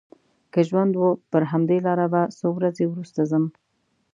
که ژوند و پر همدې لاره به څو ورځې وروسته ځم.